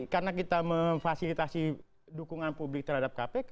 karena kita memfasilitasi dukungan publik terhadap kpk